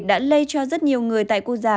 đã lây cho rất nhiều người tại quốc gia